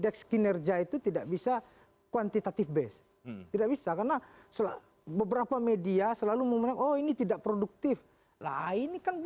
kami akan segera kembali di saat lain